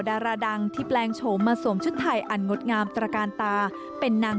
ดาราดังที่แปลงโฉมมาสวมชุดไทยอันงดงามตระกาลตาเป็นนาง